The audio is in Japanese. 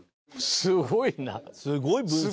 すごいな。